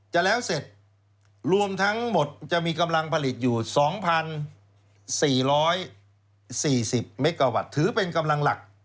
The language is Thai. จะแล้วเสร็จรวมทั้งหมดจะมีกำลังผลิตอยู่๒๔๔๐เมกาวัตต์ถือเป็นกำลังหลัก